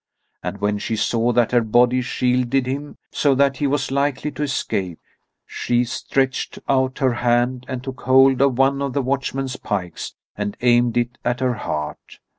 And when she saw that her body shielded him, so that he was likely to escape, she stretched out her hand and took hold of one of the watchmen's pikes and aimed it at her heart.